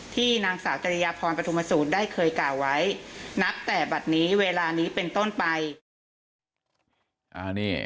ที่นางสาวกริยาพรปฐุมสูตรได้เคยกล่าวไว้นับแต่บัตรนี้เวลานี้เป็นต้นไป